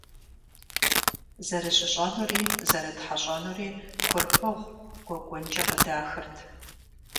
Зэрыжьыщӏэнури зэрытхьэщӏэнури Курпыгъу гуэгуэнкӏэ къыдахырт.